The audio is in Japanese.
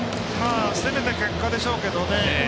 攻めた結果でしょうけどね